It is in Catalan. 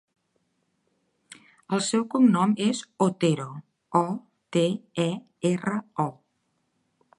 El seu cognom és Otero: o, te, e, erra, o.